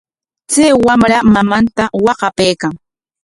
Chay wamra mamanta waqapaykan.